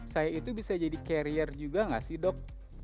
saya itu bisa jadi carrier juga nggak sih dok